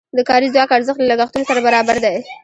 د کاري ځواک ارزښت له لګښتونو سره برابر دی.